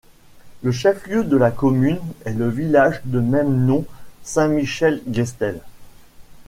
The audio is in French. Le chef-lieu de la commune est le village de même nom Saint-Michel-Gestel.